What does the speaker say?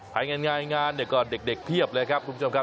ง่ายงานเนี่ยก็เด็กเพียบเลยครับคุณผู้ชมครับ